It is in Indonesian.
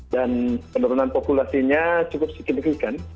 dan penurunan populasinya cukup signifikan